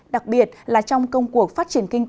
đặc biệt là trong công cuộc phát triển nông nghiệp